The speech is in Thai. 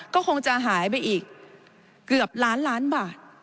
ก็คงจะหายไปอีกเกือบล้านล้านบาท